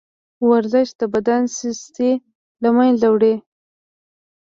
ورزش د بدن سستي له منځه وړي.